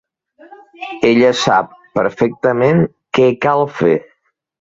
Ella sap perfectament què cal fer.